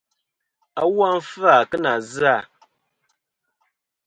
Awu a nɨn fɨ-à kɨ nà zɨ-à.